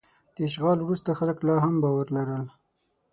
د اشغال وروسته خلک لا هم باور لرل.